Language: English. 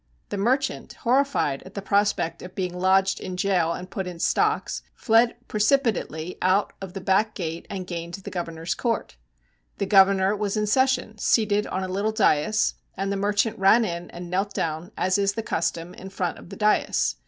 The merchant, horrified at the prospect of being lodged in gaol and put in stocks, fled precipitately out of the back gate and gained the governor's court. The governor was in session, seated on a little daïs, and the merchant ran in and knelt down, as is the custom, in front of the daïs.